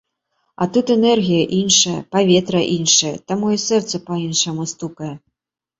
А тут энергія іншая, паветра іншае, таму і сэрца па-іншаму стукае.